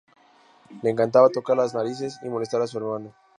Le encantaba tocar las narices y molestar a su hermano